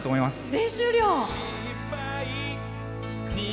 練習量！